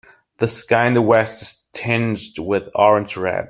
The sky in the west is tinged with orange red.